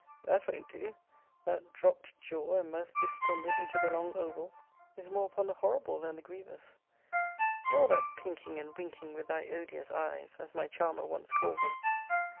That won't do. That dropt jaw, and mouth distended into the long oval, is more upon the horrible than the grievous. Nor that pinking and winking with thy odious eyes, as my charmer once called them.